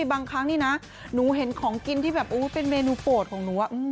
บางครั้งนี่นะหนูเห็นของกินที่แบบเป็นเมนูโปรดของหนู